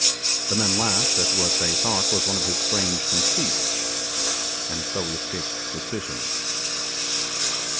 The men laughed at what they thought was one of his strange conceits, and so we escaped suspicion.